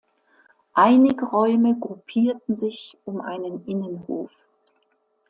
Einige Räume gruppierten sich um einen Innenhof.